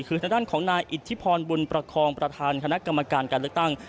คือทางด้านของนายอิทธิพรบุญประคองประธานคณะกรรมการการเลือกตั้ง